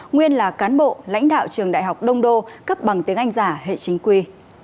nguyên là cán bộ lãnh đạo trường đại học đông đô cấp bằng tiếng anh giả hệ chính quy